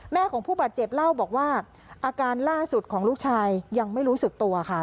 ของผู้บาดเจ็บเล่าบอกว่าอาการล่าสุดของลูกชายยังไม่รู้สึกตัวค่ะ